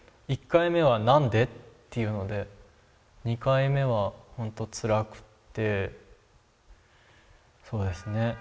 １回目は何でっていうので２回目は本当つらくってそうですね